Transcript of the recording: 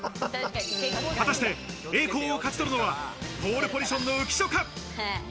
果たして栄光を勝ち取るのはポールポジションの浮所か？